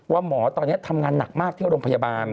หมอตอนนี้ทำงานหนักมากที่โรงพยาบาล